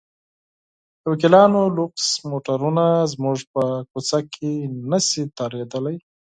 د وکیلانو لوکس موټرونه زموږ په کوڅه کې نه شي تېرېدلی.